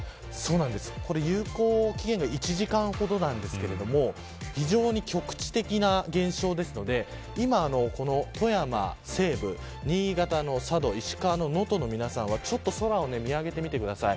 これ、有効期限が１時間ほどなんですけど非常に局地的な現象ですので今、富山西部、新潟の佐渡石川の能登の皆さんはちょっと空を見上げてみてください。